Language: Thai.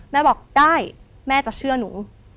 แม่บอกได้แม่จะเชื่อหนู